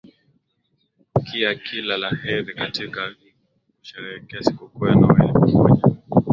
kia kila la heri katika kusherekea sikuku ya noweli pamoja